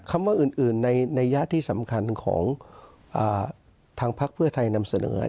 คำว่าอื่นในนัยยะที่สำคัญของทางพักเพื่อไทยนำเสนอ